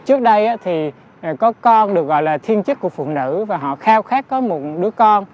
trước đây thì có con được gọi là thiên chức của phụ nữ và họ khao khát có một đứa con